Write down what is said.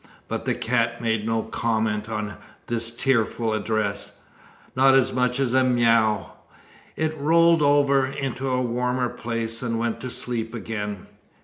But the cat made no comment on this tearful address not as much as a mew. It rolled over into a warmer place and went to sleep again.